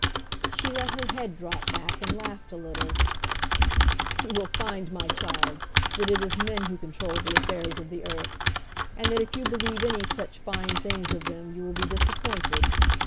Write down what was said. She let her head drop back, and laughed a little. "You will find, my child, that it is men who control the affairs of the earth; and that if you believe any such fine things of them you will be disappointed.